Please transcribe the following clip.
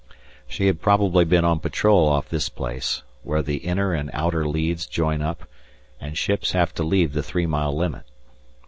She had probably been on patrol off this place, where the Inner and Outer Leads join up and ships have to leave the three mile limit.